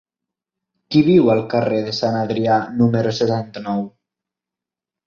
Qui viu al carrer de Sant Adrià número setanta-nou?